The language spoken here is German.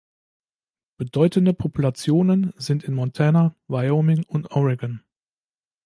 Bedeutende Populationen sind in Montana, Wyoming und Oregon.